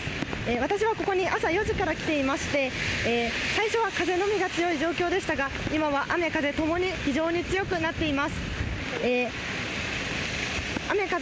私はここに朝４時から来ていまして、最初は風のみが強い状況でしたが、今は雨風ともに非常に強くなっています。